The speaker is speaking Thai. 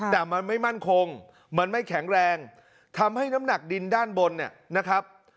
แต่มันไม่มั่นคงมันไม่แข็งแรงทำให้น้ำหนักดินด้านบนเนี่ยนะครับ